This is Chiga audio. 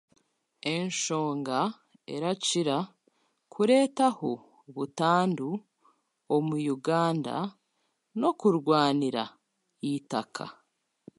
Enshonga erakira kureetaho butandu omu Uganda n'okurwanira eitaka.